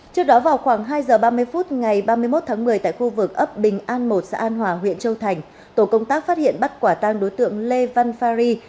trước đó vào khoảng hai h ba mươi phút ngày ba mươi một tháng một mươi tại khu vực ấp bình an một xã an hòa huyện châu thành tổ công tác phát hiện bắt quả tang đối tượng lê văn phá ri